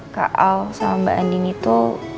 kak al sama mbak andin itu